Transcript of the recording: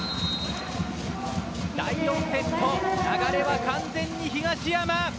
第４セット流れは完全に東山。